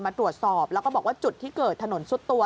มาตรวจสอบแล้วก็บอกว่าจุดที่เกิดถนนซุดตัว